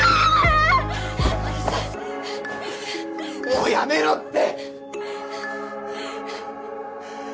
もうやめろって！